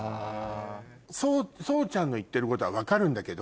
ＳＯＨちゃんの言ってることは分かるんだけど。